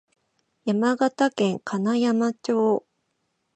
山形県金山町